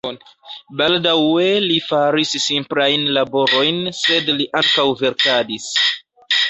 Baldaŭe li faris simplajn laborojn, sed li ankaŭ verkadis.